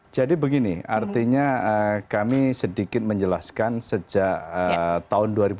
jadi begini artinya kami sedikit menjelaskan sejak tahun dua ribu lima belas